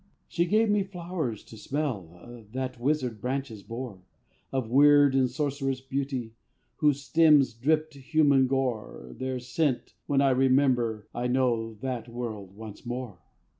She gave me flowers to smell of That wizard branches bore, Of weird and sorcerous beauty, Whose stems dripped human gore Their scent when I remember I know that world once more.